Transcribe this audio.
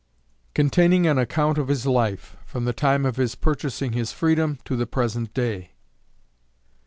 _Containing an account of his life, from the time of his purchasing his freedom to the present day.